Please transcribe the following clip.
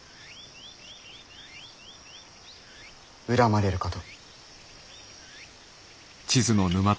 恨まれるかと。